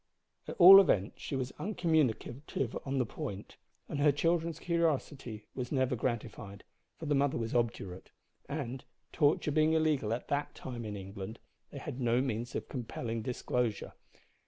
At all events she was uncommunicative on the point, and her children's curiosity was never gratified, for the mother was obdurate, and, torture being illegal at that time in England, they had no means of compelling disclosure.